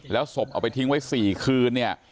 แล้วศพเอาไปทิ้งไว้๔คืน